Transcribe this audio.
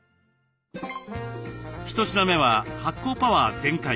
一品目は発酵パワー全開！